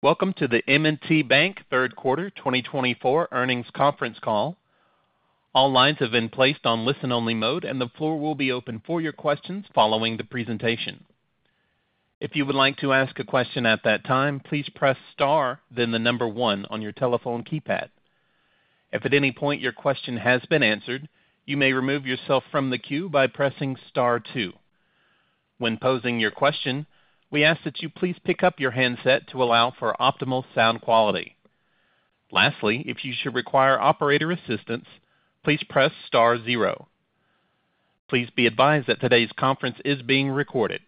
Welcome to the M&T Bank third quarter twenty twenty-four earnings conference call. All lines have been placed on listen-only mode, and the floor will be open for your questions following the presentation. If you would like to ask a question at that time, please press star, then the number one on your telephone keypad. If at any point your question has been answered, you may remove yourself from the queue by pressing star two. When posing your question, we ask that you please pick up your handset to allow for optimal sound quality. Lastly, if you should require operator assistance, please press star zero. Please be advised that today's conference is being recorded.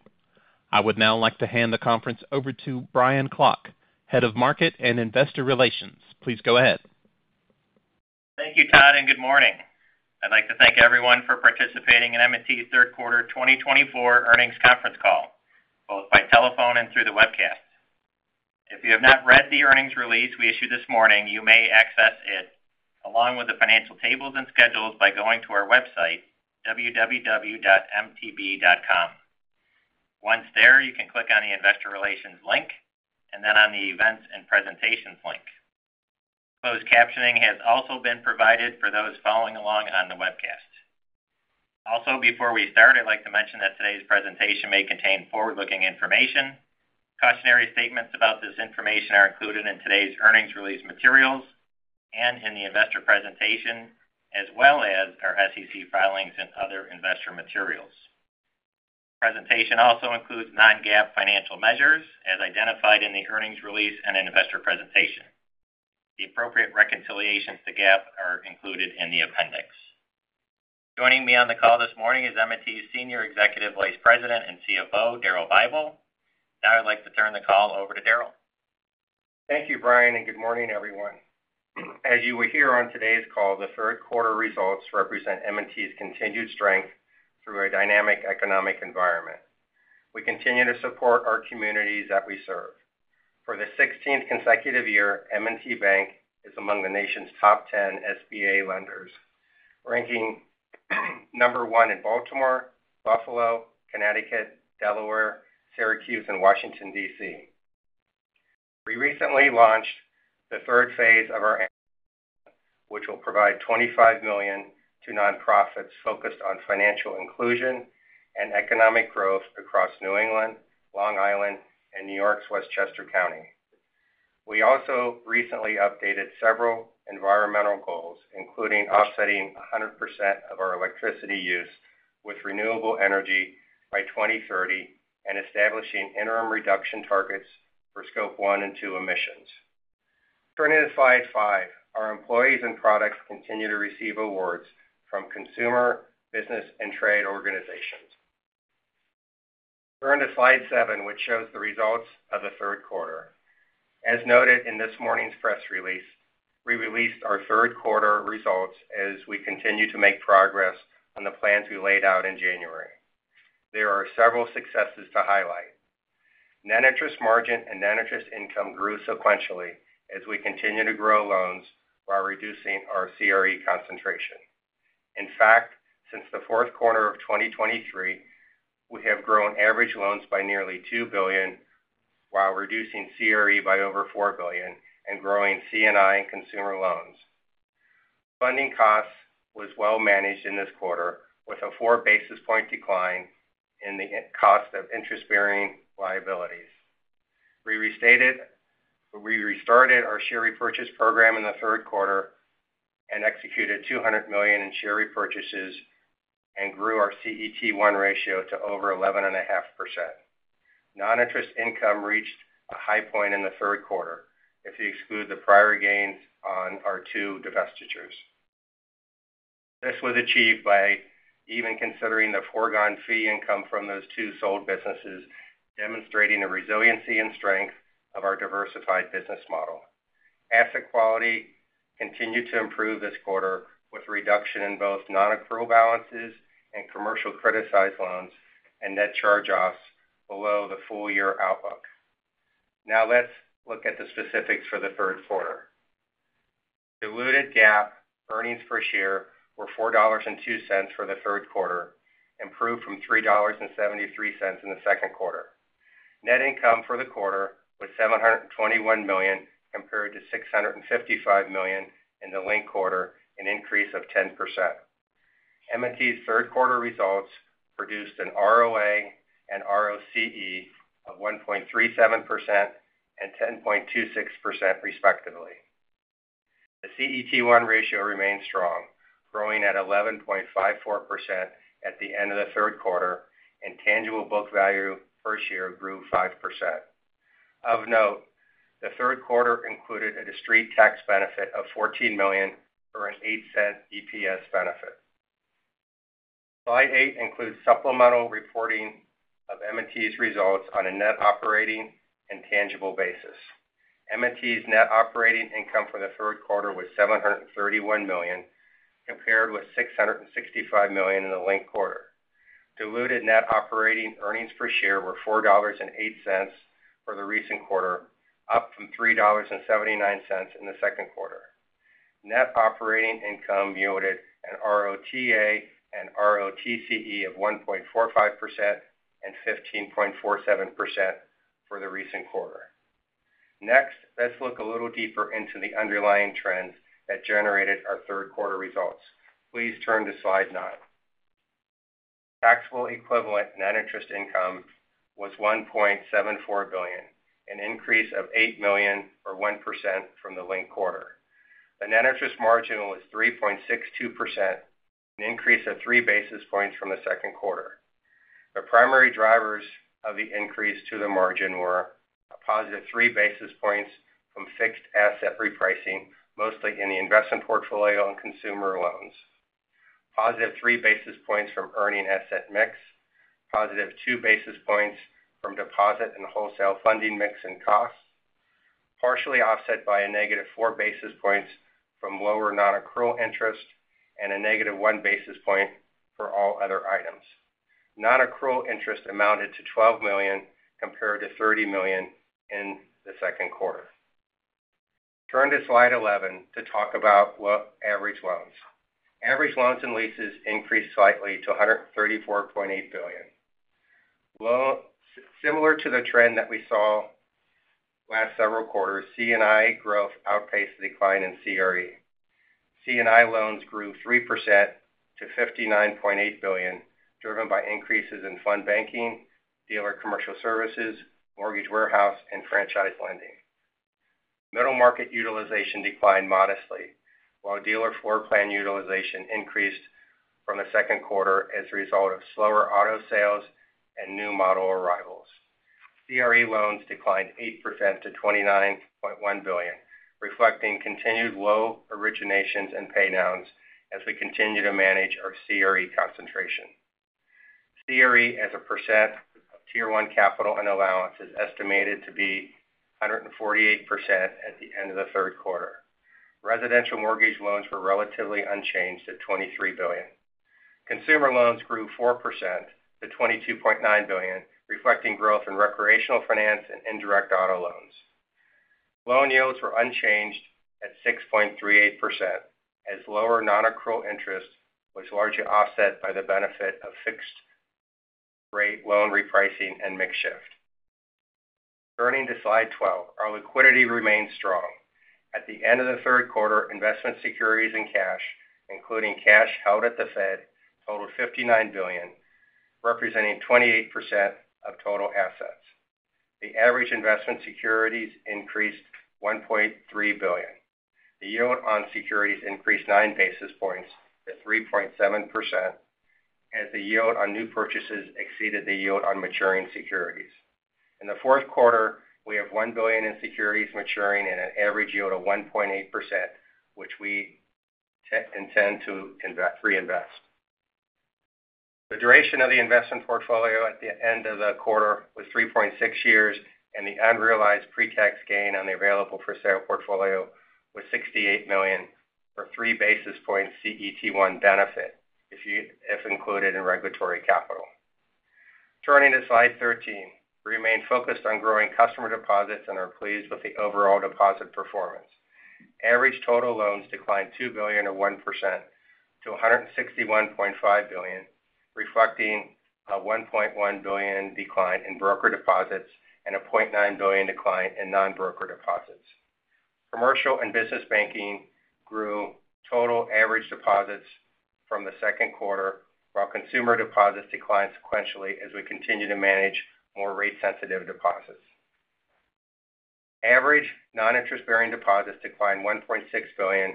I would now like to hand the conference over to Brian Klock, Head of Market and Investor Relations. Please go ahead. Thank you, Todd, and good morning. I'd like to thank everyone for participating in M&T's third quarter twenty twenty-four earnings conference call, both by telephone and through the webcast. If you have not read the earnings release we issued this morning, you may access it, along with the financial tables and schedules, by going to our website, www.mtb.com. Once there, you can click on the Investor Relations link and then on the Events and Presentations link. Closed captioning has also been provided for those following along on the webcast. Also, before we start, I'd like to mention that today's presentation may contain forward-looking information. Cautionary statements about this information are included in today's earnings release materials and in the investor presentation, as well as our SEC filings and other investor materials. Presentation also includes non-GAAP financial measures, as identified in the earnings release and investor presentation. The appropriate reconciliations to GAAP are included in the appendix. Joining me on the call this morning is M&T's Senior Executive Vice President and CFO, Darrell Bible. Now I'd like to turn the call over to Darrell. Thank you, Brian, and good morning, everyone. As you will hear on today's call, the third quarter results represent M&T's continued strength through a dynamic economic environment. We continue to support our communities that we serve. For the sixteenth consecutive year, M&T Bank is among the nation's top 10 SBA lenders, ranking number one in Baltimore, Buffalo, Connecticut, Delaware, Syracuse, and Washington, D.C. We recently launched the third phase of our... which will provide $25 million to nonprofits focused on financial inclusion and economic growth across New England, Long Island, and New York's Westchester County. We also recently updated several environmental goals, including offsetting 100% of our electricity use with renewable energy by 2030 and establishing interim reduction targets for Scope 1 and 2 emissions. Turning to slide 5, our employees and products continue to receive awards from consumer, business, and trade organizations. Turn to slide seven, which shows the results of the third quarter. As noted in this morning's press release, we released our third quarter results as we continue to make progress on the plans we laid out in January. There are several successes to highlight. Net interest margin and net interest income grew sequentially as we continue to grow loans while reducing our CRE concentration. In fact, since the fourth quarter of 2023, we have grown average loans by nearly $2 billion, while reducing CRE by over $4 billion and growing C&I and consumer loans. Funding costs was well managed in this quarter, with a four basis points decline in the cost of interest-bearing liabilities. We restarted our share repurchase program in the third quarter and executed $200 million in share repurchases and grew our CET1 ratio to over 11.5%. Non-interest income reached a high point in the third quarter, if you exclude the prior gains on our two divestitures. This was achieved by even considering the foregone fee income from those two sold businesses, demonstrating the resiliency and strength of our diversified business model. Asset quality continued to improve this quarter, with a reduction in both non-accrual balances and commercial criticized loans and net charge-offs below the full year outlook. Now, let's look at the specifics for the third quarter. Diluted GAAP earnings per share were $4.02 for the third quarter, improved from $3.73 in the second quarter. Net income for the quarter was $721 million, compared to $655 million in the linked quarter, an increase of 10%. M&T's third quarter results produced an ROA and ROCE of 1.37% and 10.26%, respectively. The CET1 ratio remains strong, growing at 11.54% at the end of the third quarter, and tangible book value per share grew 5%. Of note, the third quarter included a discrete tax benefit of $14 million, or an $0.08 EPS benefit. Slide 8 includes supplemental reporting of M&T's results on a net operating and tangible basis. M&T's net operating income for the third quarter was $731 million, compared with $665 million in the linked quarter. Diluted net operating earnings per share were $4.08 for the recent quarter, up from $3.79 in the second quarter.... Net operating income yielded a ROTA and ROTCE of 1.45% and 15.47% for the recent quarter. Next, let's look a little deeper into the underlying trends that generated our third quarter results. Please turn to slide 9. Taxable equivalent net interest income was $1.74 billion, an increase of $8 million, or 1% from the linked quarter. The net interest margin was 3.62%, an increase of three basis points from the second quarter. The primary drivers of the increase to the margin were a positive three basis points from fixed asset repricing, mostly in the investment portfolio and consumer loans. Positive 3 basis points from earning asset mix, positive 2 basis points from deposit and wholesale funding mix and costs, partially offset by a negative 4 basis points from lower non-accrual interest and a negative 1 basis point for all other items. Non-accrual interest amounted to $12 million, compared to $30 million in the second quarter. Turn to Slide 11 to talk about average loans. Average loans and leases increased slightly to $134.8 billion. Similar to the trend that we saw last several quarters, C&I growth outpaced the decline in CRE. C&I loans grew 3% to $59.8 billion, driven by increases in Fund Banking, Dealer Commercial Services, Mortgage Warehouse, and Franchise Lending. Middle Market utilization declined modestly, while dealer floor plan utilization increased from the second quarter as a result of slower auto sales and new model arrivals. CRE loans declined 8% to $29.1 billion, reflecting continued low originations and paydowns as we continue to manage our CRE concentration. CRE, as a percent of Tier 1 capital and allowance, is estimated to be 148% at the end of the third quarter. Residential mortgage loans were relatively unchanged at $23 billion. Consumer loans grew 4% to $22.9 billion, reflecting growth in Recreational Finance and indirect auto loans. Loan yields were unchanged at 6.38%, as lower non-accrual interest was largely offset by the benefit of fixed rate loan repricing and mix shift. Turning to Slide 12, our liquidity remains strong. At the end of the third quarter, investment securities and cash, including cash held at the Fed, totaled $59 billion, representing 28% of total assets. The average investment securities increased $1.3 billion. The yield on securities increased nine basis points to 3.7%, as the yield on new purchases exceeded the yield on maturing securities. In the fourth quarter, we have $1 billion in securities maturing at an average yield of 1.8%, which we intend to reinvest. The duration of the investment portfolio at the end of the quarter was 3.6 years, and the unrealized pre-tax gain on the available for sale portfolio was $68 million, or three basis points CET1 benefit, if included in regulatory capital. Turning to Slide 13. We remain focused on growing customer deposits and are pleased with the overall deposit performance. Average total loans declined $2 billion, or 1%, to $161.5 billion, reflecting a $1.1 billion decline in broker deposits and a $0.9 billion decline in non-broker deposits. Commercial and Business Banking grew total average deposits from the second quarter, while consumer deposits declined sequentially as we continue to manage more rate-sensitive deposits. Average non-interest-bearing deposits declined $1.6 billion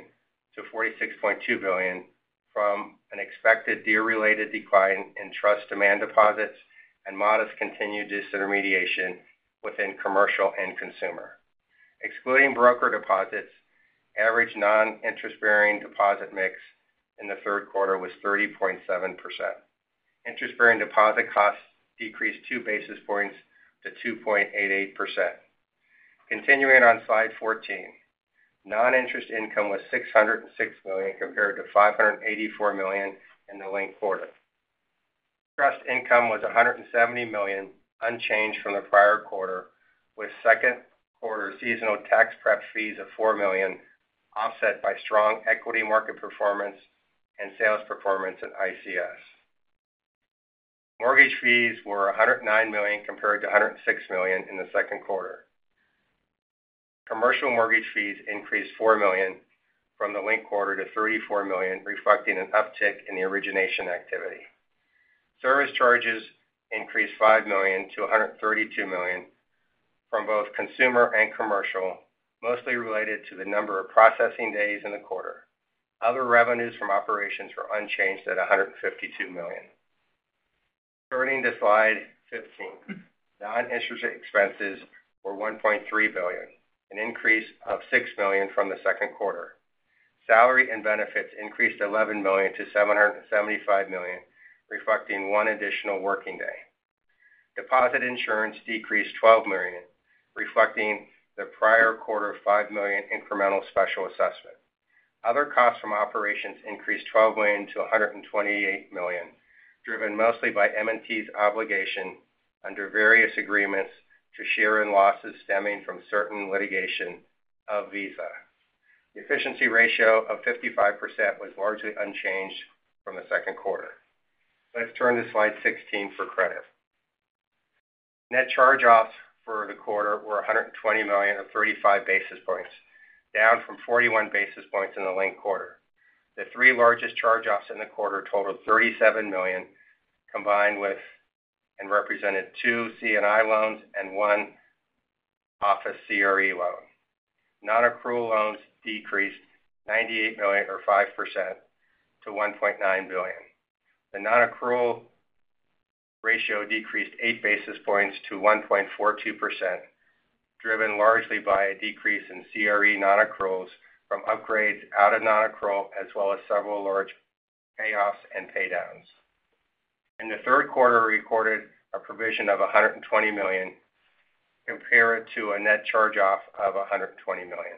to $46.2 billion from an expected deal-related decline in trust demand deposits and modest continued disintermediation within commercial and consumer. Excluding broker deposits, average non-interest-bearing deposit mix in the third quarter was 30.7%. Interest-bearing deposit costs decreased two basis points to 2.88%. Continuing on Slide 14, non-interest income was $606 million, compared to $584 million in the linked quarter. Trust income was $170 million, unchanged from the prior quarter, with second quarter seasonal tax prep fees of $4 million, offset by strong equity market performance and sales performance at ICS. Mortgage fees were $109 million, compared to $106 million in the second quarter. Commercial mortgage fees increased $4 million from the linked quarter to $34 million, reflecting an uptick in the origination activity. Service charges increased $5 million to $132 million from both consumer and commercial, mostly related to the number of processing days in the quarter. Other revenues from operations were unchanged at $152 million. Turning to slide 15. Non-interest expenses were $1.3 billion, an increase of $6 million from the second quarter. Salary and benefits increased $11 million to $775 million, reflecting one additional working day. Deposit insurance decreased $12 million, reflecting the prior quarter of $5 million incremental special assessment. Other costs from operations increased $12 million to $128 million,... driven mostly by M&T's obligation under various agreements to share in losses stemming from certain litigation of Visa. The efficiency ratio of 55% was largely unchanged from the second quarter. Let's turn to slide 16 for credit. Net charge-offs for the quarter were $120 million, or 35 basis points, down from 41 basis points in the linked quarter. The three largest charge-offs in the quarter totaled $37 million, combined with and represented two C&I loans and one office CRE loan. Nonaccrual loans decreased $98 million or 5% to $1.9 billion. The nonaccrual ratio decreased eight basis points to 1.42%, driven largely by a decrease in CRE nonaccruals from upgrades out of nonaccrual, as well as several large payoffs and paydowns. In the third quarter, we recorded a provision of $120 million, compared to a net charge-off of $120 million.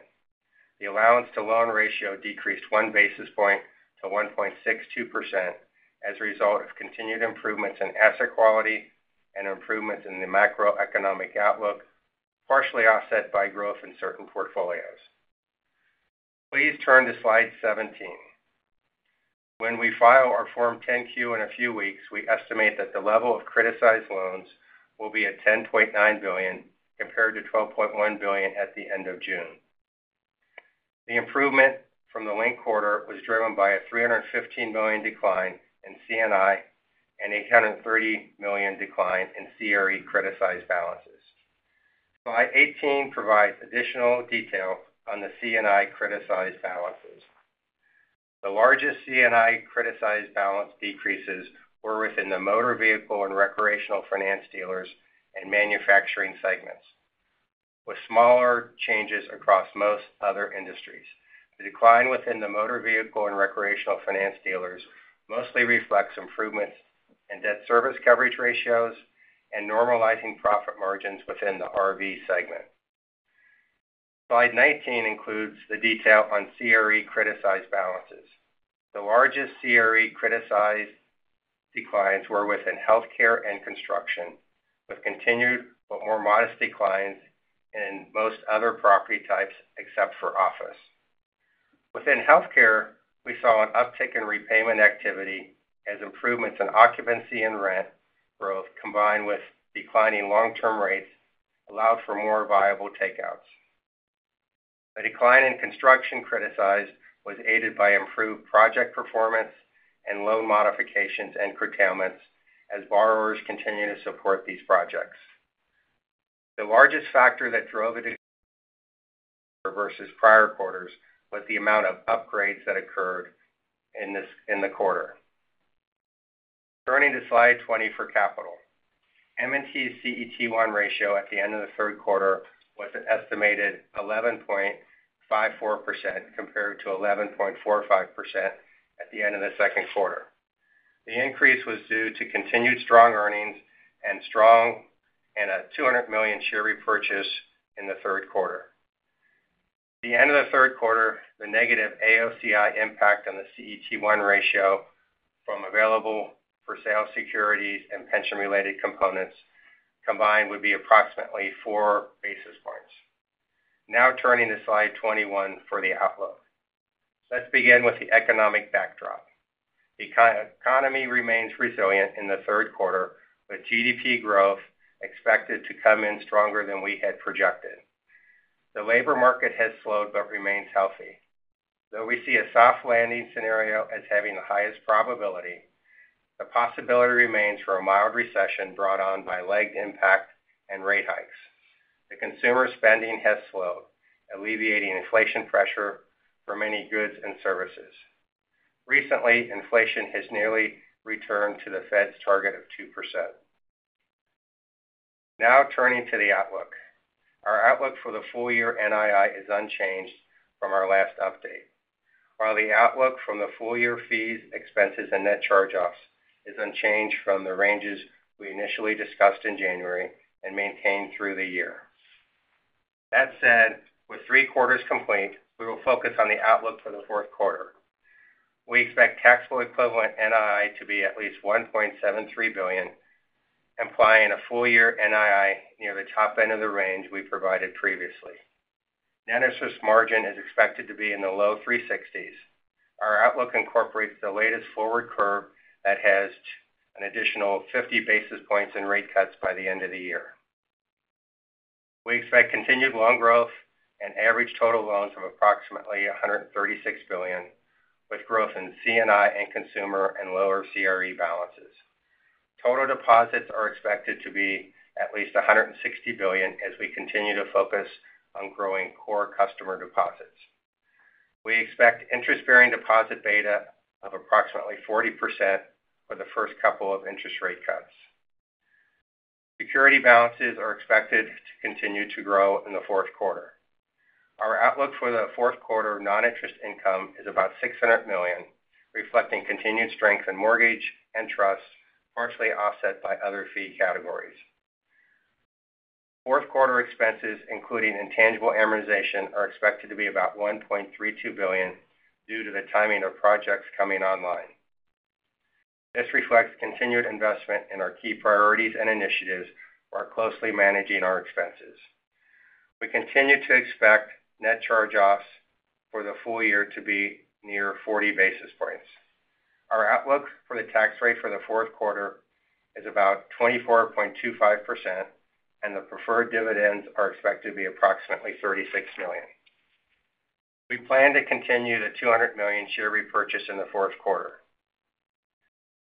The allowance to loan ratio decreased one basis point to 1.62% as a result of continued improvements in asset quality and improvements in the macroeconomic outlook, partially offset by growth in certain portfolios. Please turn to slide 17. When we file our Form 10-Q in a few weeks, we estimate that the level of criticized loans will be at $10.9 billion, compared to $12.1 billion at the end of June. The improvement from the linked quarter was driven by a $315 million decline in C&I and a $130 million decline in CRE criticized balances. Slide 18 provides additional detail on the C&I criticized balances. The largest C&I criticized balance decreases were within the motor vehicle and Recreational Finance dealers and manufacturing segments, with smaller changes across most other industries. The decline within the motor vehicle and Recreational Finance dealers mostly reflects improvements in debt service coverage ratios and normalizing profit margins within the RV segment. Slide 19 includes the detail on CRE criticized balances. The largest CRE criticized declines were within healthcare and construction, with continued but more modest declines in most other property types except for office. Within healthcare, we saw an uptick in repayment activity as improvements in occupancy and rent growth, combined with declining long-term rates, allowed for more viable takeouts. The decline in construction criticized was aided by improved project performance and loan modifications and curtailments as borrowers continue to support these projects. The largest factor that drove it versus prior quarters was the amount of upgrades that occurred in this quarter. Turning to slide 20 for capital. M&T's CET1 ratio at the end of the third quarter was an estimated 11.54%, compared to 11.45% at the end of the second quarter. The increase was due to continued strong earnings and a $200 million share repurchase in the third quarter. At the end of the third quarter, the negative AOCI impact on the CET1 ratio from available for sale securities and pension-related components combined would be approximately four basis points. Now turning to slide 21 for the outlook. Let's begin with the economic backdrop. The economy remains resilient in the third quarter, with GDP growth expected to come in stronger than we had projected. The labor market has slowed but remains healthy. Though we see a soft landing scenario as having the highest probability, the possibility remains for a mild recession brought on by lagged impact and rate hikes. The consumer spending has slowed, alleviating inflation pressure for many goods and services. Recently, inflation has nearly returned to the Fed's target of 2%. Now, turning to the outlook. Our outlook for the full year NII is unchanged from our last update, while the outlook from the full year fees, expenses, and net charge-offs is unchanged from the ranges we initially discussed in January and maintained through the year. That said, with three quarters complete, we will focus on the outlook for the fourth quarter. We expect taxable-equivalent NII to be at least $1.73 billion, implying a full year NII near the top end of the range we provided previously. Net interest margin is expected to be in the low three sixties. Our outlook incorporates the latest forward curve that has an additional 50 basis points in rate cuts by the end of the year. We expect continued loan growth and average total loans of approximately $136 billion, with growth in C&I and consumer and lower CRE balances. Total deposits are expected to be at least $160 billion as we continue to focus on growing core customer deposits. We expect interest-bearing deposit beta of approximately 40% for the first couple of interest rate cuts. Securities balances are expected to continue to grow in the fourth quarter. Our outlook for the fourth quarter non-interest income is about $600 million, reflecting continued strength in mortgage and trust, partially offset by other fee categories. Fourth quarter expenses, including intangible amortization, are expected to be about $1.32 billion due to the timing of projects coming online. This reflects continued investment in our key priorities and initiatives, while closely managing our expenses. We continue to expect net charge-offs for the full year to be near 40 basis points. Our outlook for the tax rate for the fourth quarter is about 24.25%, and the preferred dividends are expected to be approximately $36 million. We plan to continue the $200 million share repurchase in the fourth quarter.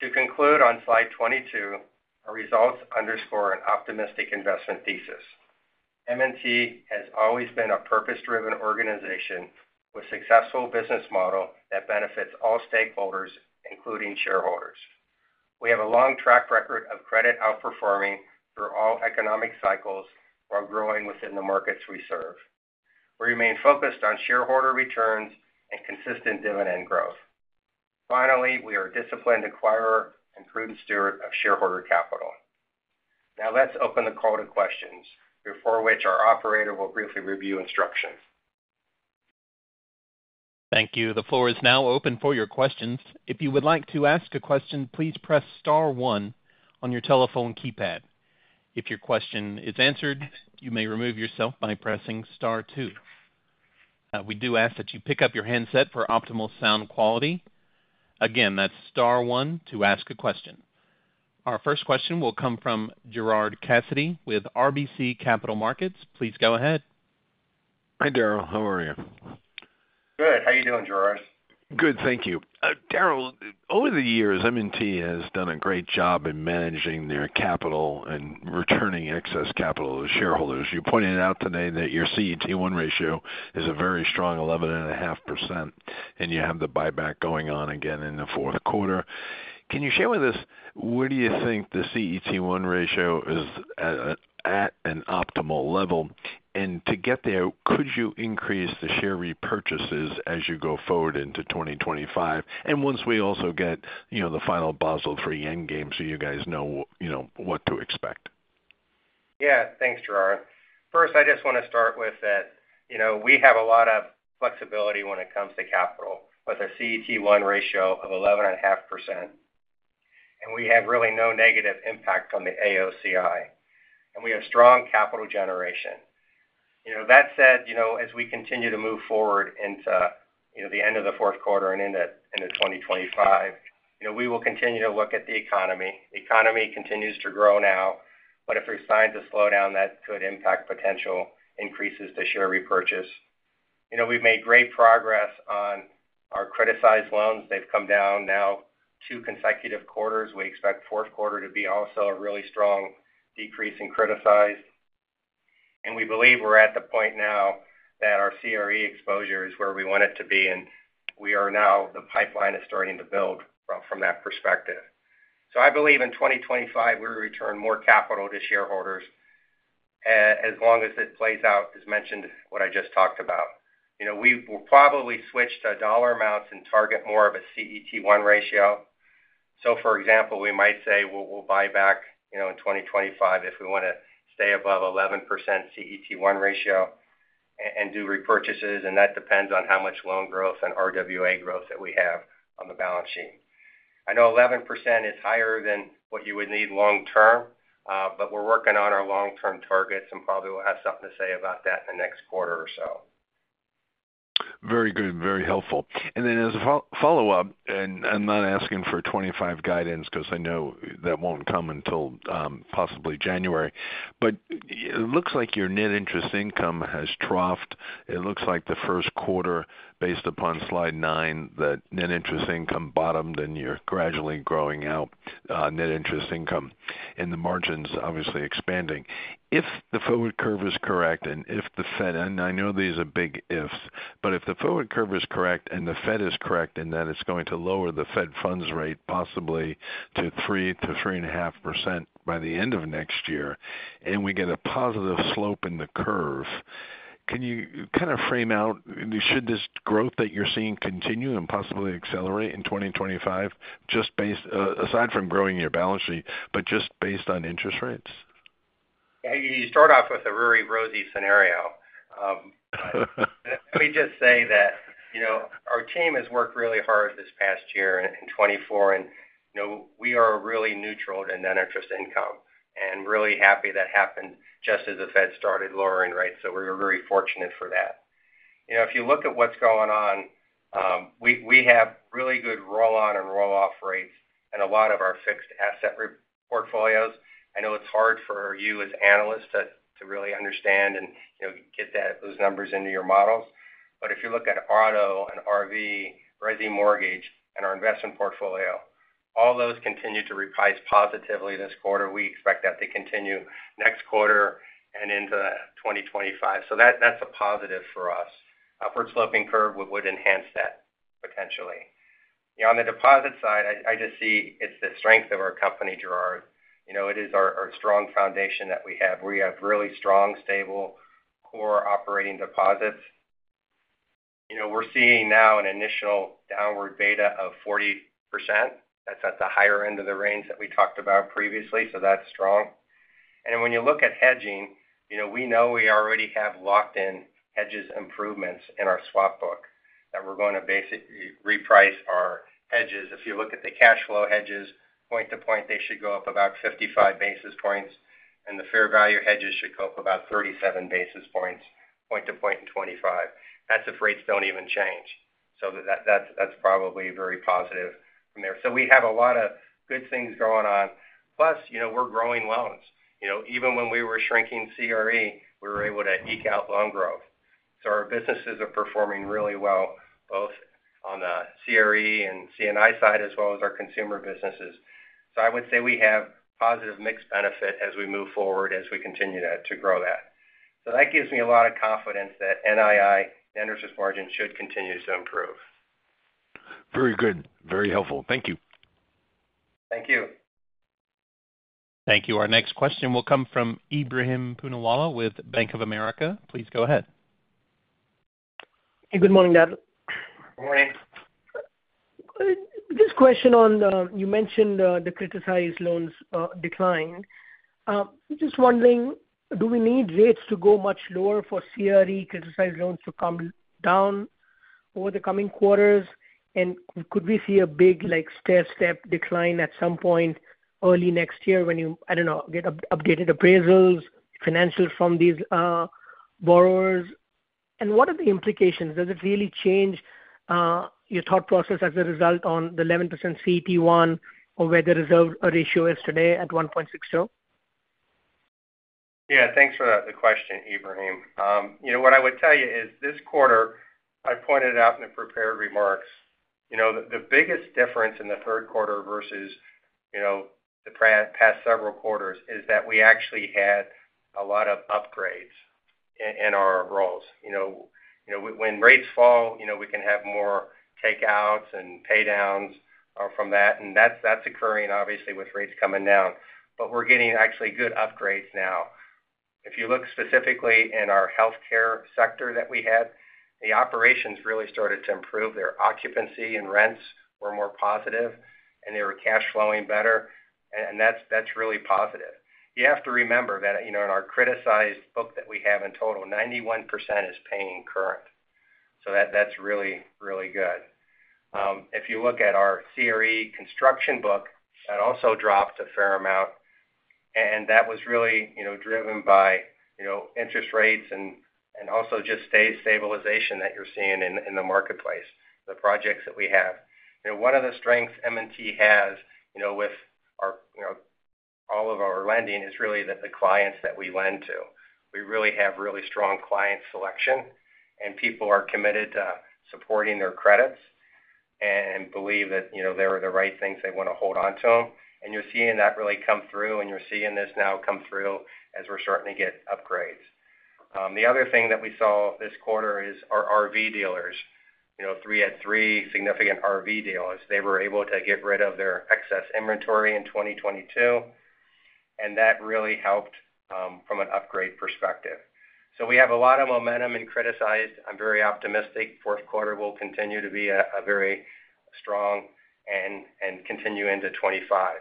To conclude, on slide 22, our results underscore an optimistic investment thesis. M&T has always been a purpose-driven organization with successful business model that benefits all stakeholders, including shareholders. We have a long track record of credit outperforming through all economic cycles while growing within the markets we serve. We remain focused on shareholder returns and consistent dividend growth. Finally, we are a disciplined acquirer and prudent steward of shareholder capital. Now, let's open the call to questions, before which our operator will briefly review instructions. Thank you. The floor is now open for your questions. If you would like to ask a question, please press star one on your telephone keypad. If your question is answered, you may remove yourself by pressing star two. We do ask that you pick up your handset for optimal sound quality. Again, that's star one to ask a question. Our first question will come from Gerard Cassidy with RBC Capital Markets. Please go ahead. Hi, Daryl. How are you? Good. How are you doing, Gerard? Good. Thank you. Daryl, over the years, M&T has done a great job in managing their capital and returning excess capital to shareholders. You pointed out today that your CET1 ratio is a very strong 11.5%, and you have the buyback going on again in the fourth quarter. Can you share with us, where do you think the CET1 ratio is at, at an optimal level? And to get there, could you increase the share repurchases as you go forward into 2025? And once we also get, you know, the final Basel III Endgame, so you guys know, you know, what to expect. Yeah. Thanks, Gerard. First, I just want to start with that, you know, we have a lot of flexibility when it comes to capital, with a CET1 ratio of 11.5%, and we have really no negative impact on the AOCI, and we have strong capital generation. You know, that said, you know, as we continue to move forward into, you know, the end of the fourth quarter and into 2025, you know, we will continue to look at the economy. The economy continues to grow now, but if there's signs of slowdown, that could impact potential increases to share repurchase. You know, we've made great progress on our criticized loans. They've come down now two consecutive quarters. We expect fourth quarter to be also a really strong decrease in criticized. We believe we're at the point now that our CRE exposure is where we want it to be, and the pipeline is starting to build from that perspective. I believe in 2025, we'll return more capital to shareholders as long as it plays out, as mentioned, what I just talked about. You know, we will probably switch to dollar amounts and target more of a CET1 ratio. For example, we might say, we'll buy back, you know, in 2025 if we want to stay above 11% CET1 ratio and do repurchases, and that depends on how much loan growth and RWA growth that we have on the balance sheet. I know 11% is higher than what you would need long-term, but we're working on our long-term targets and probably will have something to say about that in the next quarter or so. Very good, very helpful. And then as a follow-up, and I'm not asking for 2025 guidance because I know that won't come until, possibly January, but it looks like your net interest income has troughed. It looks like the first quarter, based upon slide nine, that net interest income bottomed, and you're gradually growing out, net interest income, and the margins obviously expanding. If the forward curve is correct, and if the Fed, and I know these are big ifs, but if the forward curve is correct and the Fed is correct, in that it's going to lower the Fed funds rate possibly to 3-3.5% by the end of next year, and we get a positive slope in the curve, can you kind of frame out, should this growth that you're seeing continue and possibly accelerate in twenty twenty-five, just based, aside from growing your balance sheet, but just based on interest rates? Yeah, you start off with a very rosy scenario. Let me just say that, you know, our team has worked really hard this past year in twenty-four, and, you know, we are really neutral to net interest income and really happy that happened just as the Fed started lowering, right? So we're very fortunate for that. You know, if you look at what's going on, we have really good roll-on and roll-off rates in a lot of our fixed asset re-portfolios. I know it's hard for you as analysts to really understand and, you know, get that, those numbers into your models. But if you look at auto and RV, resi mortgage, and our investment portfolio, all those continue to reprice positively this quarter. We expect that to continue next quarter and into twenty twenty-five. So that, that's a positive for us. Upward sloping curve would enhance that potentially. On the deposit side, I just see it's the strength of our company, Gerard. You know, it is our strong foundation that we have. We have really strong, stable core operating deposits.... you know, we're seeing now an initial downward beta of 40%. That's at the higher end of the range that we talked about previously, so that's strong. And when you look at hedging, you know, we know we already have locked in hedges improvements in our swap book, that we're going to basically reprice our hedges. If you look at the cash flow hedges, point to point, they should go up about 55 basis points, and the fair value hedges should go up about 37 basis points, point to point in 2025. That's if rates don't even change. So that's probably very positive from there. So we have a lot of good things going on. Plus, you know, we're growing loans. You know, even when we were shrinking CRE, we were able to eke out loan growth. So our businesses are performing really well, both on the CRE and C&I side, as well as our consumer businesses. So I would say we have positive mix benefit as we move forward, as we continue to grow that. So that gives me a lot of confidence that NII, interest margins should continue to improve. Very good. Very helpful. Thank you. Thank you. Thank you. Our next question will come from Ebrahim Poonawala with Bank of America Corporation. Please go ahead. Good morning, Daniel. Morning. Just a question on, you mentioned, the criticized loans declined. Just wondering, do we need rates to go much lower for CRE criticized loans to come down over the coming quarters? And could we see a big, like, stair-step decline at some point early next year when you, I don't know, get updated appraisals, financials from these borrowers? And what are the implications? Does it really change your thought process as a result on the 11% CET1 or where the reserve ratio is today at 1.60? Yeah, thanks for the question, Ibrahim. You know, what I would tell you is, this quarter, I pointed out in the prepared remarks, you know, the biggest difference in the third quarter versus the previous several quarters is that we actually had a lot of upgrades in our loans. You know, when rates fall, you know, we can have more takeouts and pay downs from that, and that's occurring obviously with rates coming down. But we're getting actually good upgrades now. If you look specifically in our healthcare sector that we had, the operations really started to improve. Their occupancy and rents were more positive, and they were cash flowing better, and that's really positive. You have to remember that, you know, in our criticized book that we have in total, 91% is paying current. So that that's really, really good. If you look at our CRE construction book, that also dropped a fair amount, and that was really, you know, driven by, you know, interest rates and also just stabilization that you're seeing in the marketplace, the projects that we have. You know, one of the strengths M&T has, you know, with our, you know, all of our lending, is really that the clients that we lend to. We really have really strong client selection, and people are committed to supporting their credits and believe that, you know, they are the right things, they want to hold on to them, and you're seeing that really come through, and you're seeing this now come through as we're starting to get upgrades. The other thing that we saw this quarter is our RV dealers. You know, we had three significant RV dealers. They were able to get rid of their excess inventory in 2022, and that really helped from an upgrade perspective. So we have a lot of momentum in criticized. I'm very optimistic. Fourth quarter will continue to be a very strong and continue into 2025.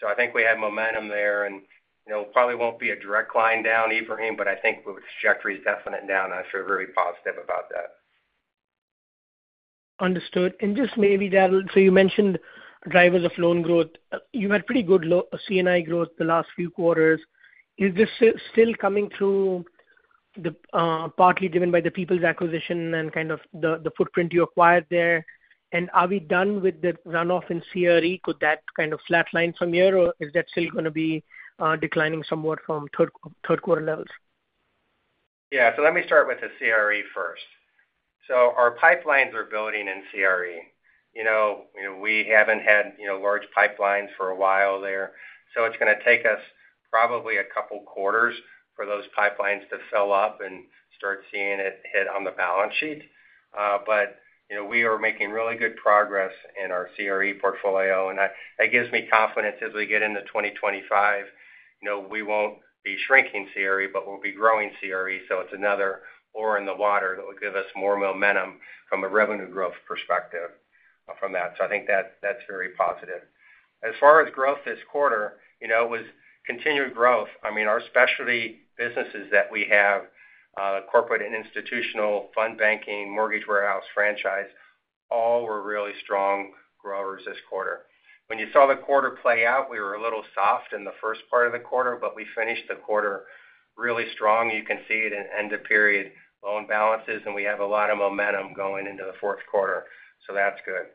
So I think we have momentum there and, you know, probably won't be a direct line down, Ibrahim, but I think the trajectory is definitely down. I feel very positive about that. Understood. And just maybe, Darrell, so you mentioned drivers of loan growth. You had pretty good C&I growth the last few quarters. Is this still coming through, partly driven by the People's acquisition and kind of the footprint you acquired there? And are we done with the runoff in CRE? Could that kind of flatline from here, or is that still going to be declining somewhat from third quarter levels? Yeah. So let me start with the CRE first. So our pipelines are building in CRE. You know, we haven't had, you know, large pipelines for a while there, so it's going to take us probably a couple quarters for those pipelines to fill up and start seeing it hit on the balance sheet. But, you know, we are making really good progress in our CRE portfolio, and that, that gives me confidence as we get into 2025. You know, we won't be shrinking CRE, but we'll be growing CRE, so it's another oar in the water that will give us more momentum from a revenue growth perspective from that. So I think that's, that's very positive. As far as growth this quarter, you know, it was continued growth. I mean, our specialty businesses that we have, Corporate and Institutional, Fund Banking, Mortgage Warehouse, franchise, all were really strong growers this quarter. When you saw the quarter play out, we were a little soft in the first part of the quarter, but we finished the quarter really strong. You can see it in end-of-period loan balances, and we have a lot of momentum going into the fourth quarter, so that's good.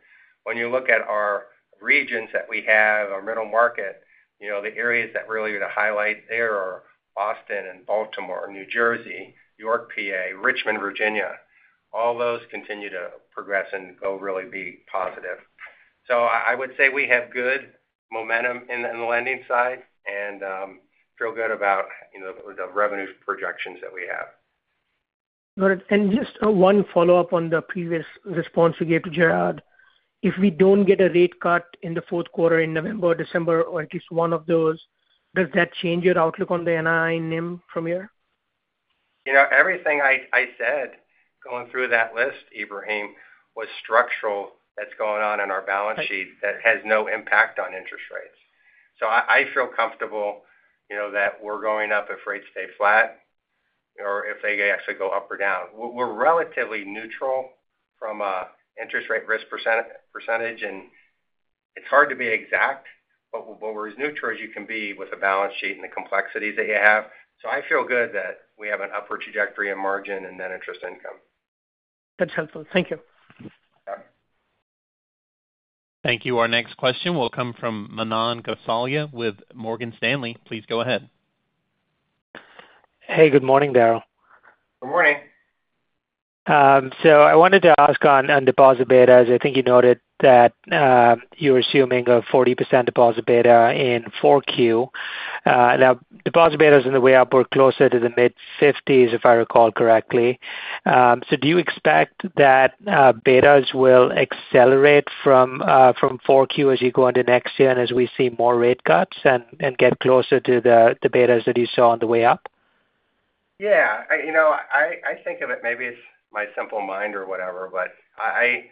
When you look at our regions that we have, our middle market, you know, the areas that really are the highlight there are Austin and Baltimore, New Jersey, York, PA, Richmond, Virginia. All those continue to progress and go really be positive. So I would say we have good momentum in the lending side and, feel good about, you know, the revenue projections that we have. Got it. And just, one follow-up on the previous response you gave to Gerard.... if we don't get a rate cut in the fourth quarter, in November or December, or at least one of those, does that change your outlook on the NII NIM from here? You know, everything I said, going through that list, Ibrahim, was structural that's going on in our balance sheet that has no impact on interest rates. So I feel comfortable, you know, that we're going up if rates stay flat or if they actually go up or down. We're relatively neutral from an interest rate risk percentage, and it's hard to be exact, but we're as neutral as you can be with a balance sheet and the complexities that you have. So I feel good that we have an upward trajectory in margin and net interest income. That's helpful. Thank you. Got it. Thank you. Our next question will come from Manan Gosalia with Morgan Stanley. Please go ahead. Hey, good morning, Darrell. Good morning. So I wanted to ask on deposit betas. I think you noted that you're assuming a 40% deposit beta in 4Q. Now, deposit betas on the way up were closer to the mid-50s%, if I recall correctly. So do you expect that betas will accelerate from 4Q as you go into next year and as we see more rate cuts and get closer to the betas that you saw on the way up? Yeah, you know, I think of it, maybe it's my simple mind or whatever, but I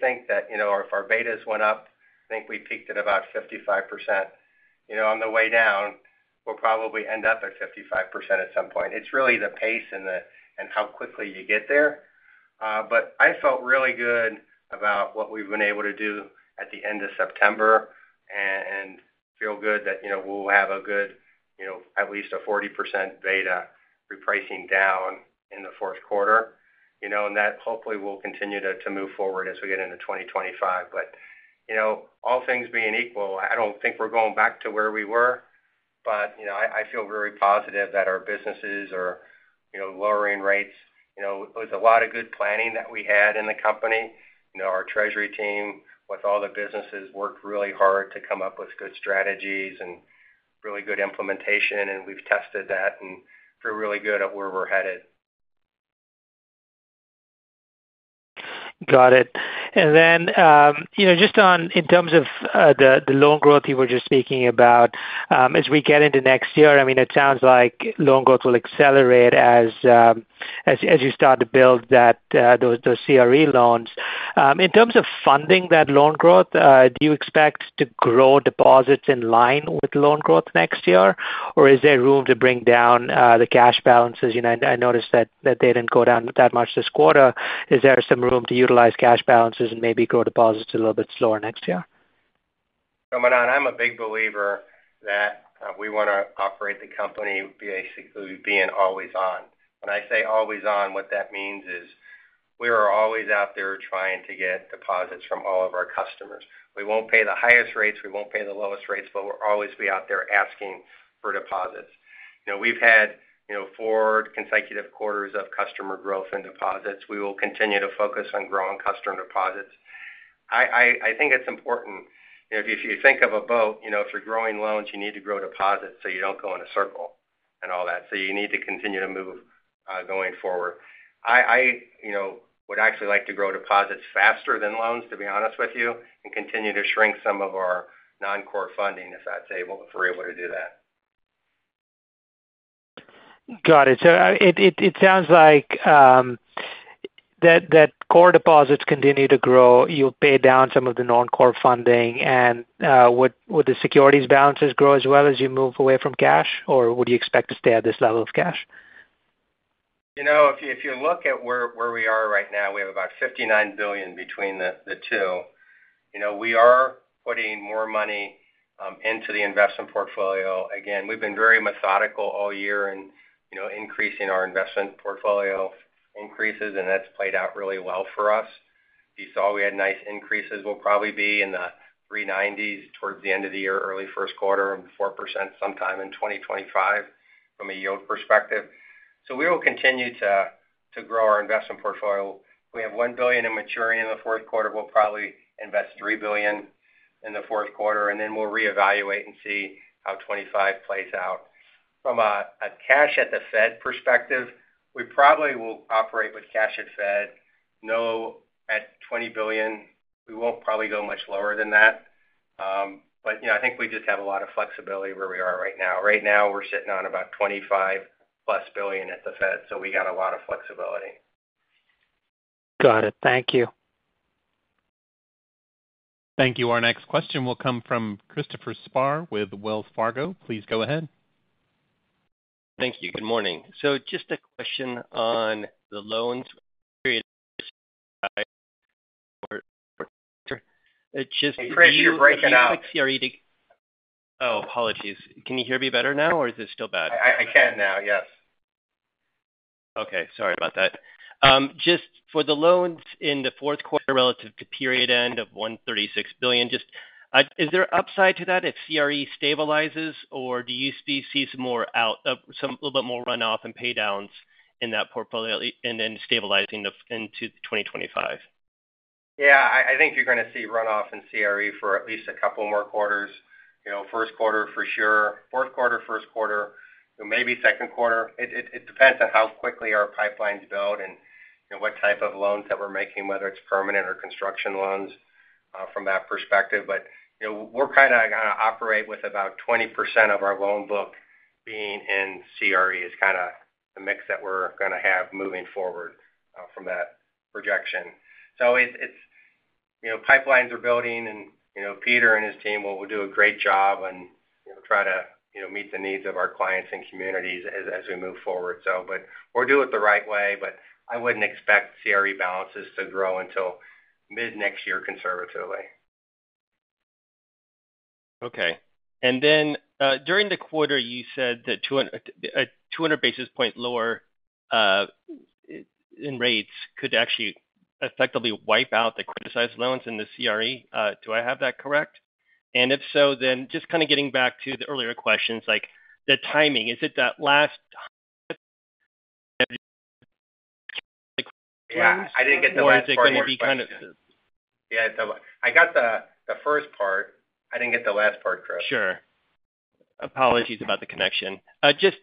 think that, you know, if our betas went up, I think we peaked at about 55%. You know, on the way down, we'll probably end up at 55% at some point. It's really the pace and and how quickly you get there. But I felt really good about what we've been able to do at the end of September and feel good that, you know, we'll have a good, you know, at least a 40% beta repricing down in the fourth quarter. You know, and that hopefully will continue to move forward as we get into 2025. But you know, all things being equal, I don't think we're going back to where we were, but you know, I feel very positive that our businesses are you know lowering rates. You know, it was a lot of good planning that we had in the company. You know, our treasury team, with all the businesses, worked really hard to come up with good strategies and really good implementation, and we've tested that and feel really good at where we're headed. Got it. And then, you know, just on in terms of, the loan growth you were just speaking about, as we get into next year, I mean, it sounds like loan growth will accelerate as you start to build that, those CRE loans. In terms of funding that loan growth, do you expect to grow deposits in line with loan growth next year? Or is there room to bring down, the cash balances? You know, I noticed that they didn't go down that much this quarter. Is there some room to utilize cash balances and maybe grow deposits a little bit slower next year? So Manan, I'm a big believer that we want to operate the company basically being always on. When I say always on, what that means is we are always out there trying to get deposits from all of our customers. We won't pay the highest rates, we won't pay the lowest rates, but we'll always be out there asking for deposits. You know, we've had, you know, four consecutive quarters of customer growth in deposits. We will continue to focus on growing customer deposits. I think it's important, you know, if you think of a boat, you know, if you're growing loans, you need to grow deposits so you don't go in a circle and all that. So you need to continue to move going forward. I, you know, would actually like to grow deposits faster than loans, to be honest with you, and continue to shrink some of our non-core funding, if that's able, if we're able to do that. Got it. So, it sounds like core deposits continue to grow. You'll pay down some of the non-core funding, and would the securities balances grow as well as you move away from cash, or would you expect to stay at this level of cash? You know, if you look at where we are right now, we have about $59 billion between the two. You know, we are putting more money into the investment portfolio. Again, we've been very methodical all year in you know increasing our investment portfolio increases, and that's played out really well for us. You saw we had nice increases. We'll probably be in the 3.9s towards the end of the year, early first quarter, and 4% sometime in 2025 from a yield perspective. So we will continue to grow our investment portfolio. We have $1 billion maturing in the fourth quarter. We'll probably invest $3 billion in the fourth quarter, and then we'll reevaluate and see how 2025 plays out. From a cash at the Fed perspective, we probably will operate with cash at Fed now at $20 billion, we won't probably go much lower than that. But you know, I think we just have a lot of flexibility where we are right now. Right now, we're sitting on about $25 billion plus at the Fed, so we got a lot of flexibility. Got it. Thank you. Thank you. Our next question will come from Christopher Spahr with Wells Fargo. Please go ahead. Thank you. Good morning. So just a question on the loans period... Hey, Chris, you're breaking up. Oh, apologies. Can you hear me better now, or is it still bad? I can now, yes. Okay, sorry about that. Just for the loans in the fourth quarter relative to period end of $136 billion, just, is there upside to that if CRE stabilizes, or do you see some little bit more runoff and pay downs in that portfolio and then stabilizing it into 2025? Yeah, I think you're going to see runoff in CRE for at least a couple more quarters. You know, first quarter for sure. Fourth quarter, first quarter... so maybe second quarter. It depends on how quickly our pipelines build and, you know, what type of loans that we're making, whether it's permanent or construction loans, from that perspective. But, you know, we're kind of gonna operate with about 20% of our loan book being in CRE, is kind of the mix that we're gonna have moving forward, from that projection. So it's, you know, pipelines are building and, you know, Peter and his team will do a great job and, you know, try to, you know, meet the needs of our clients and communities as we move forward. We'll do it the right way, but I wouldn't expect CRE balances to grow until mid-next year, conservatively. Okay. And then, during the quarter, you said that 200 basis points lower in rates could actually effectively wipe out the criticized loans in the CRE. Do I have that correct? And if so, then just kind of getting back to the earlier questions, like the timing, is it that last Yeah, I didn't get the last part of your question. Or is it gonna be kind of- Yeah, so I got the first part. I didn't get the last part, Chris. Sure. Apologies about the connection. Just,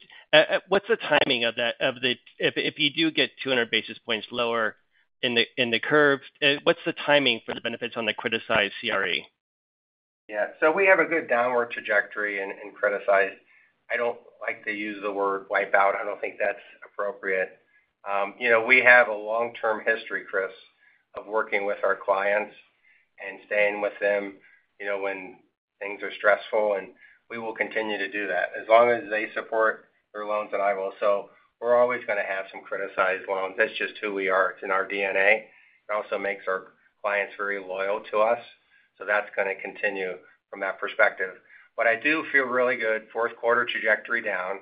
what's the timing of that, of the, if you do get 200 basis points lower in the curve, what's the timing for the benefits on the criticized CRE? Yeah. So we have a good downward trajectory in criticized. I don't like to use the word wipe out. I don't think that's appropriate. You know, we have a long-term history, Chris, of working with our clients and staying with them, you know, when things are stressful, and we will continue to do that as long as they support their loans that are viable. So we're always gonna have some criticized loans. That's just who we are. It's in our DNA. It also makes our clients very loyal to us, so that's gonna continue from that perspective. But I do feel really good, fourth quarter trajectory down.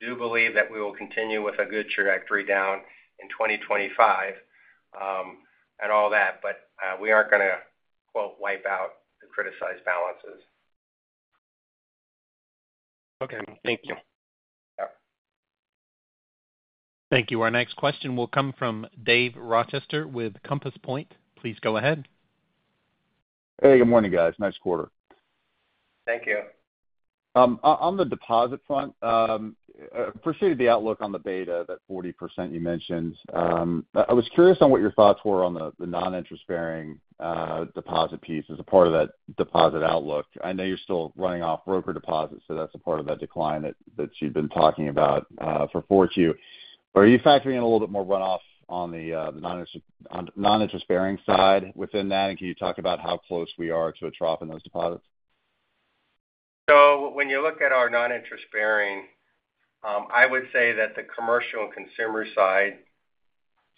Do believe that we will continue with a good trajectory down in twenty twenty-five, and all that. But, we aren't gonna, quote, "wipe out" the criticized balances. Okay, thank you. Yeah. Thank you. Our next question will come from Dave Rochester with Compass Point. Please go ahead. Hey, good morning, guys. Nice quarter. Thank you. On the deposit front, appreciate the outlook on the beta, that 40% you mentioned. I was curious on what your thoughts were on the non-interest-bearing deposit piece as a part of that deposit outlook. I know you're still running off broker deposits, so that's a part of that decline that you've been talking about for 4Q. Are you factoring in a little bit more runoff on the non-interest-bearing side within that? And can you talk about how close we are to a trough in those deposits? So when you look at our non-interest-bearing, I would say that the commercial and consumer side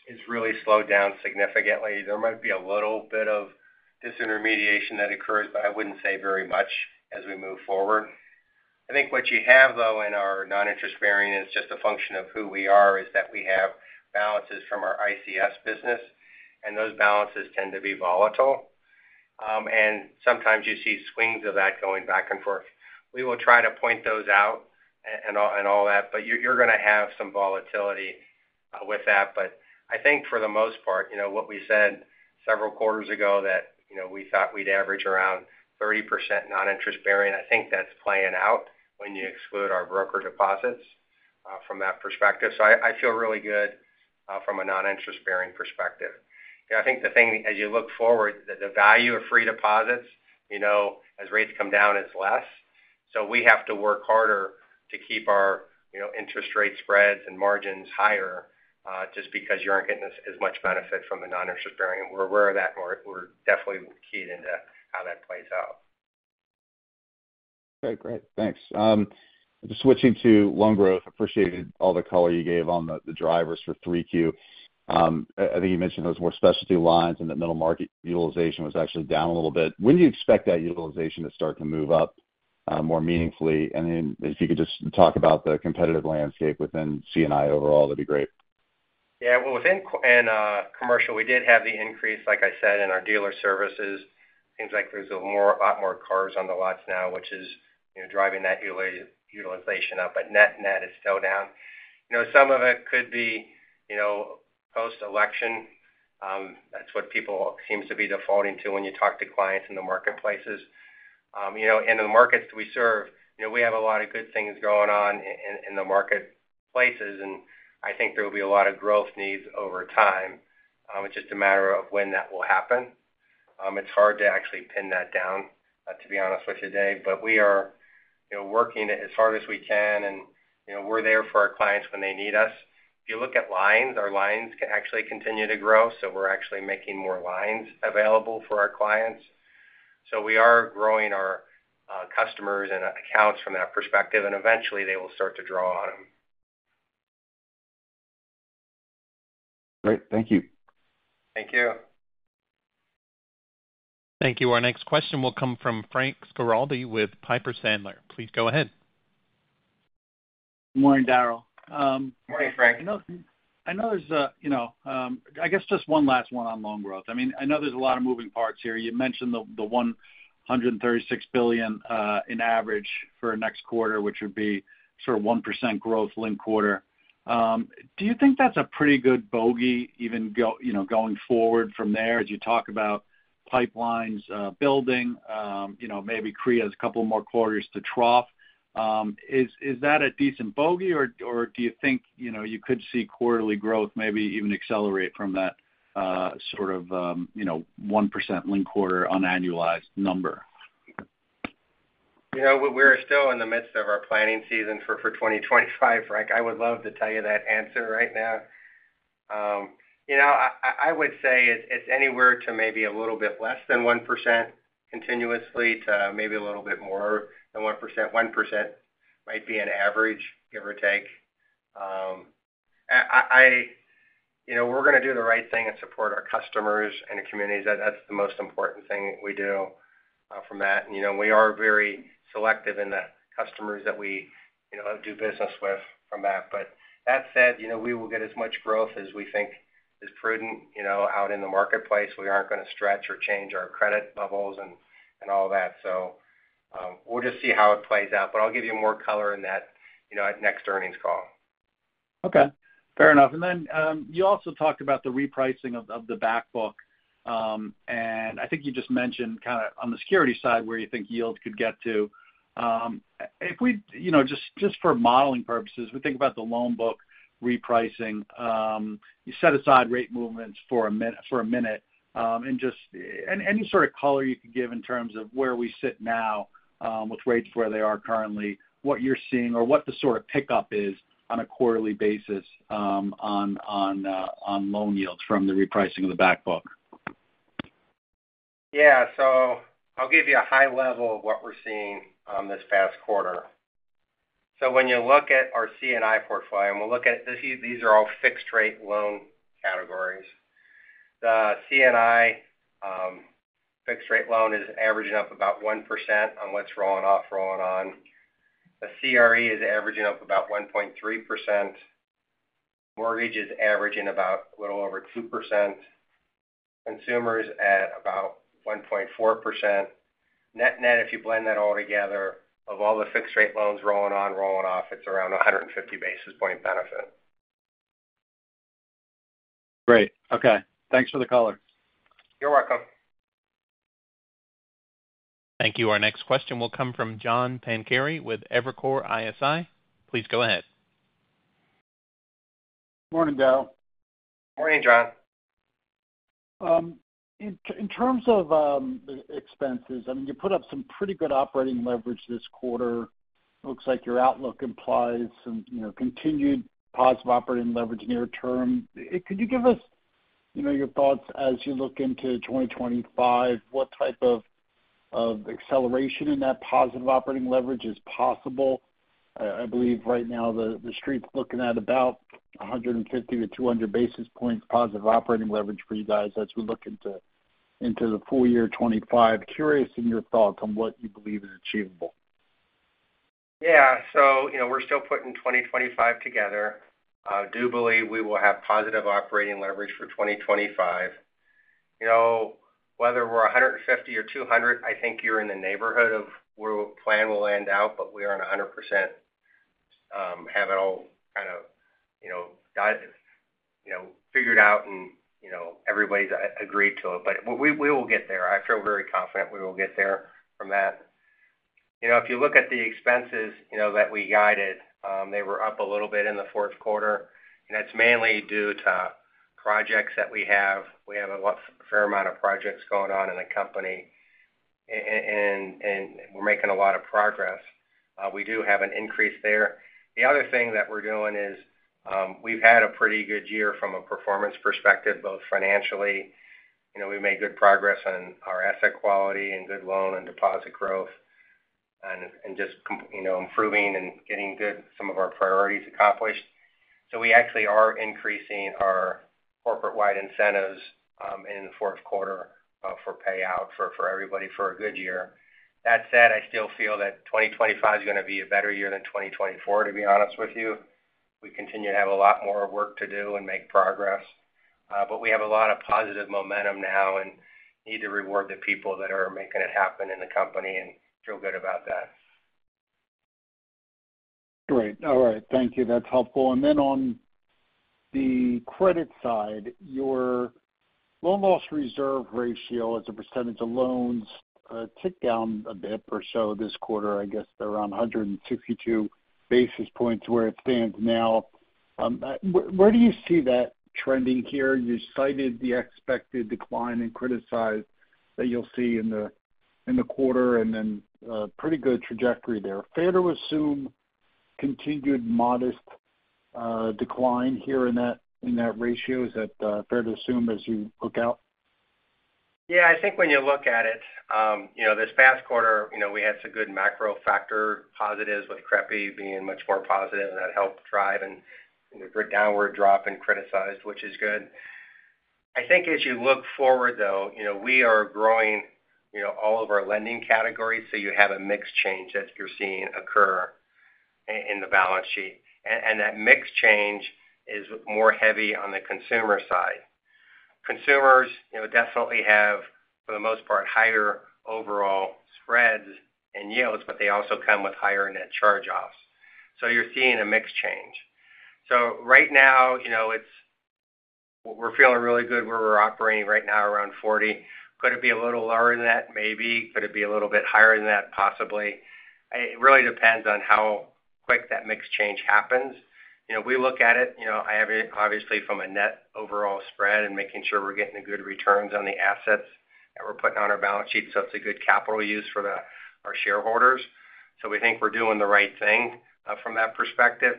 has really slowed down significantly. There might be a little bit of disintermediation that occurs, but I wouldn't say very much as we move forward. I think what you have, though, in our non-interest-bearing is just a function of who we are, is that we have balances from our ICS business, and those balances tend to be volatile, and sometimes you see swings of that going back and forth. We will try to point those out and all that, but you're gonna have some volatility with that. But I think for the most part, you know, what we said several quarters ago that, you know, we thought we'd average around 30% non-interest bearing, I think that's playing out when you exclude our broker deposits from that perspective. So I feel really good from a non-interest-bearing perspective. You know, I think the thing, as you look forward, the value of free deposits, you know, as rates come down, it's less. So we have to work harder to keep our, you know, interest rate spreads and margins higher just because you aren't getting as much benefit from the non-interest bearing, and we're aware of that, and we're definitely keyed into how that plays out. Okay, great. Thanks. Just switching to loan growth, appreciated all the color you gave on the drivers for three Q. I think you mentioned those more specialty lines and that middle market utilization was actually down a little bit. When do you expect that utilization to start to move up more meaningfully? And then if you could just talk about the competitive landscape within C&I overall, that'd be great. Yeah, well, within commercial, we did have the increase, like I said, in our dealer services. Seems like there's a lot more cars on the lots now, which is, you know, driving that utilization up, but net net is still down. You know, some of it could be, you know, post-election. That's what people seems to be defaulting to when you talk to clients in the marketplaces. You know, in the markets we serve, you know, we have a lot of good things going on in the marketplaces, and I think there will be a lot of growth needs over time. It's just a matter of when that will happen. It's hard to actually pin that down, to be honest with you today, but we are, you know, working as hard as we can, and, you know, we're there for our clients when they need us. If you look at lines, our lines can actually continue to grow, so we're actually making more lines available for our clients. So we are growing our customers and accounts from that perspective, and eventually they will start to draw on them. Great. Thank you. Thank you. Thank you. Our next question will come from Frank Schiraldi with Piper Sandler. Please go ahead. Good morning, Daryl. Good morning, Frank. I know, I know there's a, you know, I guess just one last one on loan growth. I mean, I know there's a lot of moving parts here. You mentioned the, the $136 billion in average for next quarter, which would be sort of 1% growth linked quarter. Do you think that's a pretty good bogey, even going forward from there, as you talk about pipelines building, you know, maybe CRE has a couple more quarters to trough? Is that a decent bogey, or do you think you could see quarterly growth maybe even accelerate from that, sort of, you know, 1% linked quarter on annualized number? You know, we're still in the midst of our planning season for twenty twenty-five, Frank. I would love to tell you that answer right now. You know, I would say it's anywhere to maybe a little bit less than 1% continuously to maybe a little bit more than 1%. 1% might be an average, give or take. You know, we're gonna do the right thing and support our customers and the communities. That's the most important thing we do from that. You know, we are very selective in the customers that we do business with from that. But that said, you know, we will get as much growth as we think is prudent out in the marketplace. We aren't gonna stretch or change our credit levels and all that. We'll just see how it plays out, but I'll give you more color in that, you know, at next earnings call. Okay, fair enough. And then, you also talked about the repricing of the back book. And I think you just mentioned kind of on the security side, where you think yields could get to. If we, you know, just for modeling purposes, we think about the loan book repricing. You set aside rate movements for a minute, and just any sort of color you can give in terms of where we sit now, with rates where they are currently, what you're seeing or what the sort of pickup is on a quarterly basis, on loan yields from the repricing of the back book? Yeah. So I'll give you a high level of what we're seeing this past quarter. So when you look at our C&I portfolio, and we'll look at these are all fixed-rate loan categories. The C&I fixed-rate loan is averaging up about 1% on what's rolling off, rolling on. The CRE is averaging up about 1.3%. Mortgage is averaging about a little over 2%. Consumer is at about 1.4%. Net-net, if you blend that all together, of all the fixed-rate loans rolling on, rolling off, it's around 150 basis point benefit. Great, okay. Thanks for the color. You're welcome. Thank you. Our next question will come from John Pancari with Evercore ISI. Please go ahead. Morning, Dale. Morning, John. In terms of the expenses, I mean, you put up some pretty good operating leverage this quarter. Looks like your outlook implies some, you know, continued positive operating leverage near term. Could you give us, you know, your thoughts as you look into 2025, what type of acceleration in that positive operating leverage is possible? I believe right now the street's looking at about 150-200 basis points positive operating leverage for you guys as we look into the full year 2025. Curious in your thoughts on what you believe is achievable. Yeah. So, you know, we're still putting twenty twenty-five together. I do believe we will have positive operating leverage for twenty twenty-five. You know, whether we're a hundred and fifty or two hundred, I think you're in the neighborhood of where plan will end out, but we aren't 100%, have it all kind of, you know, figured out and, you know, everybody's agreed to it. But we will get there. I feel very confident we will get there from that. You know, if you look at the expenses, you know, that we guided, they were up a little bit in the fourth quarter, and that's mainly due to projects that we have. We have a fair amount of projects going on in the company, and we're making a lot of progress. We do have an increase there. The other thing that we're doing is, we've had a pretty good year from a performance perspective, both financially, you know, we've made good progress on our asset quality and good loan and deposit growth and, and just you know, improving and getting good, some of our priorities accomplished. So we actually are increasing our corporate-wide incentives, in the fourth quarter, for payout for everybody for a good year. That said, I still feel that twenty twenty-five is gonna be a better year than twenty twenty-four, to be honest with you. We continue to have a lot more work to do and make progress, but we have a lot of positive momentum now and need to reward the people that are making it happen in the company and feel good about that. Great. All right. Thank you. That's helpful. And then on the credit side, your loan loss reserve ratio as a percentage of loans ticked down a bit or so this quarter. I guess they're around 162 basis points where it stands now. Where do you see that trending here? You cited the expected decline in criticized that you'll see in the quarter, and then pretty good trajectory there. Fair to assume continued modest decline here in that ratio? Is that fair to assume as you look out? Yeah, I think when you look at it, you know, this past quarter, you know, we had some good macro factor positives, with CRE PI being much more positive and that helped drive a good downward drop in criticized, which is good. I think as you look forward, though, you know, we are growing, you know, all of our lending categories, so you have a mix change that you're seeing occur in the balance sheet. And that mix change is more heavy on the consumer side. Consumers, you know, definitely have, for the most part, higher overall spreads and yields, but they also come with higher net charge-offs. So you're seeing a mix change. So right now, you know, it's, we're feeling really good where we're operating right now, around forty. Could it be a little lower than that? Maybe. Could it be a little bit higher than that? Possibly. It really depends on how quick that mix change happens. You know, we look at it, you know, obviously, from a net overall spread and making sure we're getting the good returns on the assets that we're putting on our balance sheet, so it's a good capital use for our shareholders. So we think we're doing the right thing from that perspective.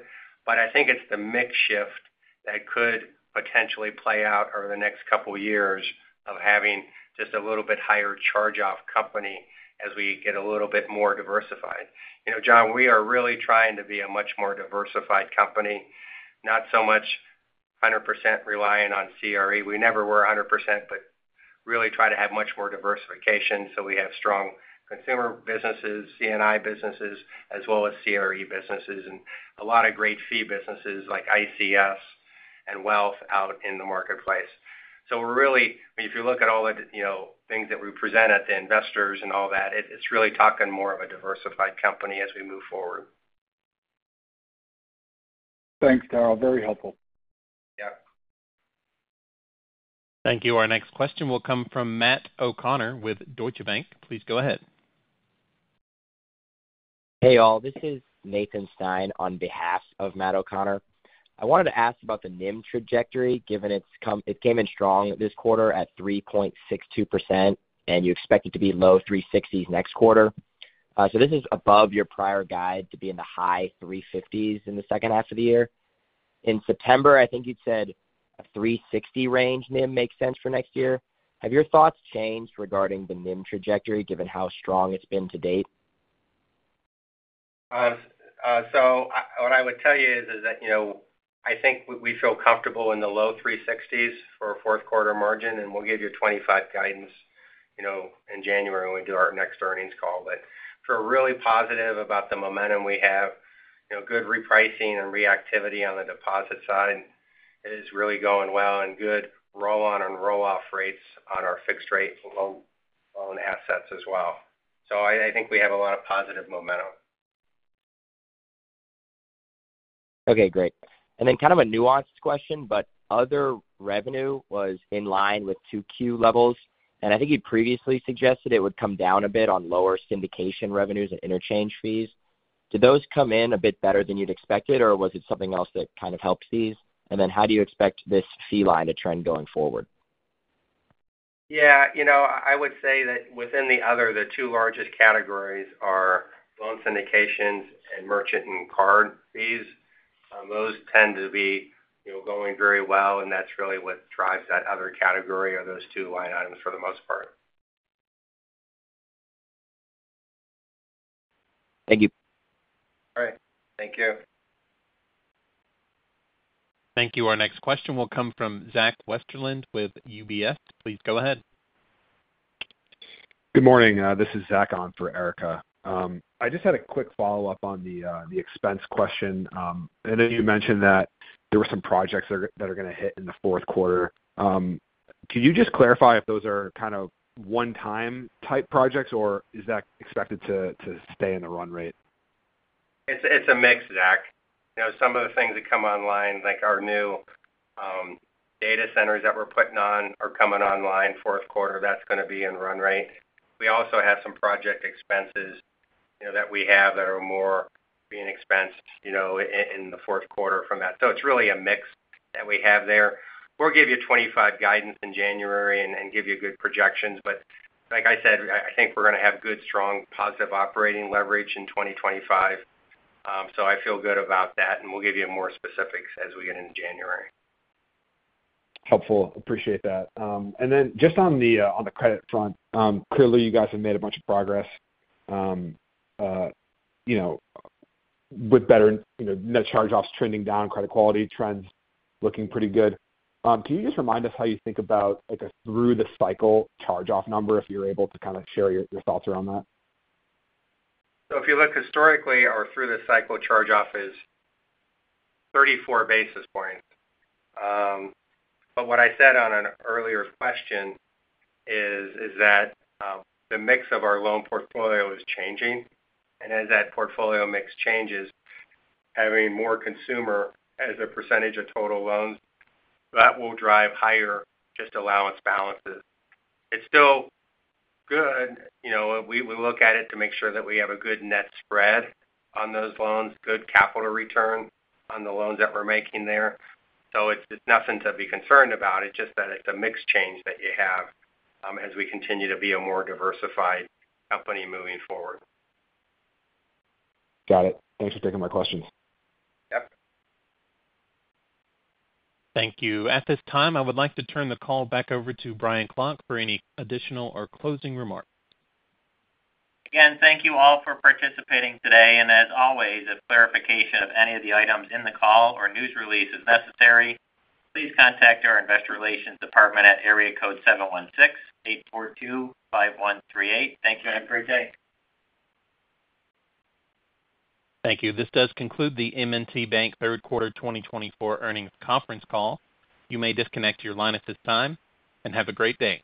But I think it's the mix shift that could potentially play out over the next couple of years of having just a little bit higher charge-off company as we get a little bit more diversified. You know, John, we are really trying to be a much more diversified company, not so much hundred percent reliant on CRE. We never were a hundred percent, but really try to have much more diversification. So we have strong consumer businesses, C&I businesses, as well as CRE businesses, and a lot of great fee businesses like ICS and wealth out in the marketplace. So we're really, if you look at all the, you know, things that we present to the investors and all that, it, it's really talking more of a diversified company as we move forward. Thanks, Daryl. Very helpful. Yeah. Thank you. Our next question will come from Matt O'Connor with Deutsche Bank. Please go ahead. Hey, all. This is Nathan Stein on behalf of Matt O'Connor. I wanted to ask about the NIM trajectory, given it came in strong this quarter at 3.62%, and you expect it to be low 3.60s next quarter. So this is above your prior guide to be in the high 3.50s in the second half of the year. In September, I think you'd said a 3.60s range NIM makes sense for next year. Have your thoughts changed regarding the NIM trajectory, given how strong it's been to date? So what I would tell you is that, you know, I think we feel comfortable in the low 360s for a fourth quarter margin, and we'll give you 2025 guidance, you know, in January when we do our next earnings call. But feel really positive about the momentum we have, you know, good repricing and reactivity on the deposit side. It is really going well and good roll-on and roll-off rates on our fixed rate loan assets as well. So I think we have a lot of positive momentum. Okay, great. And then kind of a nuanced question, but other revenue was in line with 2Q levels, and I think you previously suggested it would come down a bit on lower syndication revenues and interchange fees. Did those come in a bit better than you'd expected, or was it something else that kind of helped these? And then how do you expect this fee line to trend going forward? Yeah, you know, I would say that within the other, the two largest categories are loan syndications and merchant and card fees. Those tend to be, you know, going very well, and that's really what drives that other category or those two line items for the most part. Thank you. All right. Thank you. Thank you. Our next question will come from Zach Westerlind with UBS. Please go ahead. Good morning. This is Zach on for Erika. I just had a quick follow-up on the expense question. I know you mentioned that there were some projects that are gonna hit in the fourth quarter. Could you just clarify if those are kind of one-time type projects, or is that expected to stay in the run rate? It's, it's a mix, Zach. You know, some of the things that come online, like our new data centers that we're putting on, are coming online fourth quarter, that's gonna be in run rate. We also have some project expenses, you know, that we have that are more being expensed, you know, in the fourth quarter from that. So it's really a mix that we have there. We'll give you 2025 guidance in January and give you good projections, but like I said, I think we're gonna have good, strong, positive operating leverage in 2025. So I feel good about that, and we'll give you more specifics as we get into January. Helpful. Appreciate that. And then just on the credit front, clearly, you guys have made a bunch of progress, you know, with better, you know, net charge-offs trending down, credit quality trends looking pretty good. Can you just remind us how you think about, like, a through the cycle charge-off number, if you're able to kind of share your thoughts around that? So if you look historically or through the cycle, charge-off is 34 basis points. But what I said on an earlier question is that the mix of our loan portfolio is changing, and as that portfolio mix changes, having more consumer as a percentage of total loans, that will drive higher just allowance balances. It's still good. You know, we look at it to make sure that we have a good net spread on those loans, good capital return on the loans that we're making there. So it's nothing to be concerned about. It's just that it's a mix change that you have as we continue to be a more diversified company moving forward. Got it. Thanks for taking my questions. Yep. Thank you. At this time, I would like to turn the call back over to Brian Klock for any additional or closing remarks. Again, thank you all for participating today. And as always, if clarification of any of the items in the call or news release is necessary, please contact our investor relations department at (716) 842-5138. Thank you, and have a great day. Thank you. This does conclude the M&T Bank third quarter twenty twenty-four earnings conference call. You may disconnect your line at this time, and have a great day.